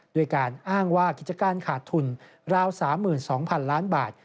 ด้วยการอ้างว่ากิจการขาดทุนราว๓๒๐๐๐ล้านบาท